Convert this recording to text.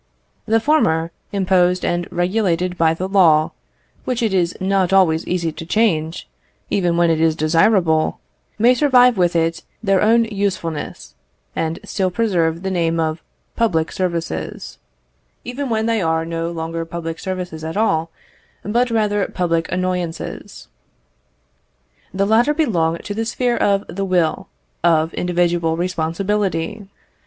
The former, imposed and regulated by the law, which it is not always easy to change, even when it is desirable, may survive with it their own usefulness, and still preserve the name of public services, even when they are no longer services at all, but rather public annoyances. The latter belong to the sphere of the will, of individual responsibility.